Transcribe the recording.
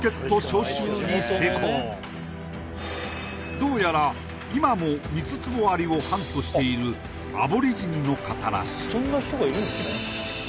どうやら今もミツツボアリをハントしているアボリジニの方らしい